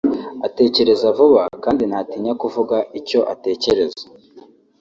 atekereza vuba kandi ntatinya kuvuga icyo atekereza